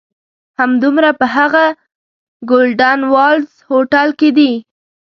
همدومره په هغه "ګولډن والز" هوټل کې دي.